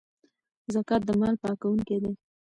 زکات د مال پاکونکی دی.